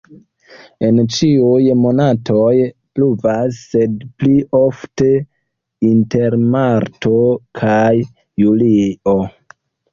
En ĉiuj monatoj pluvas, sed pli ofte inter marto kaj julio.